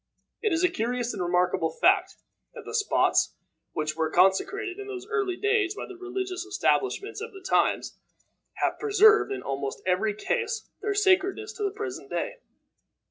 It is a curious and remarkable fact, that the spots which were consecrated in those early days by the religious establishments of the times, have preserved in almost every case their sacredness to the present day.